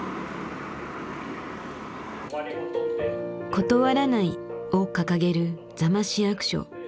「断らない」を掲げる座間市役所。